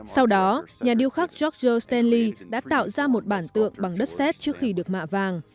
sau đó nhà điêu khắc georgi stanley đã tạo ra một bản tượng bằng đất xét trước khi được mạ vàng